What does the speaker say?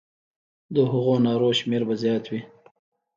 د هغو نارو شمېر به زیات وي.